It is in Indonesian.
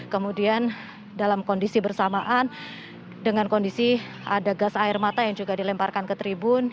kemudian dalam kondisi bersamaan dengan kondisi ada gas air mata yang juga dilemparkan ke tribun